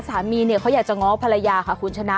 สามีเนี่ยเขาอยากจะง้อภรรยาค่ะคุณชนะ